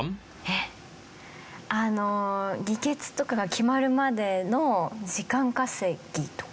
えっあの議決とかが決まるまでの時間稼ぎとか？